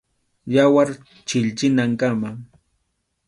Yawar chilchinankama.